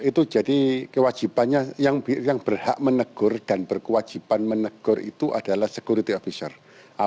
itu jadi kewajipannya yang berhak menegur dan berkewajipan menegur itu adalah security official